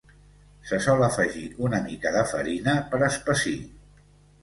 Se sol afegir una mica de farina per espessir.